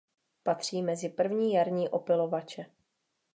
Patří mezi první jarní opylovače.